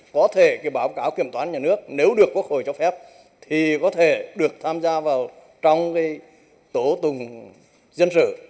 có thể cái báo cáo kiểm toán nhà nước nếu được quốc hội cho phép thì có thể được tham gia vào trong tổ tùng dân sự